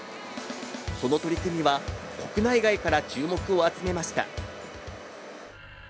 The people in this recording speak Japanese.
その取り組みは、国内外から注目を集めました。